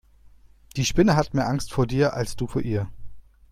Die Spinne hat mehr Angst vor dir als du vor ihr.